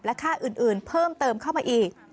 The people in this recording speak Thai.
ค่าอื่นเพิ่มเติมเข้ามาอีก